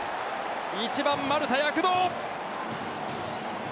１番、丸田躍動！